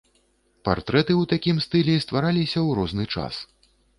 Партрэты ў такім стылі ствараліся ў розны час.